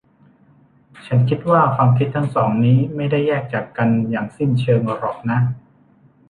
ฉันคิดว่าความคิดทั้งสองนี้ไม่ได้แยกจากกันอย่างสิ้นเชิงหรอกนะ